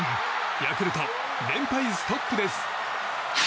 ヤクルト、連敗ストップです。